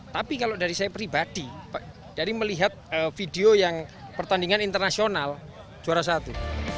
tapi kalau dari saya pribadi dari melihat video yang pertandingan internasional juara satu